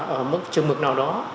ở mức trường mực nào đó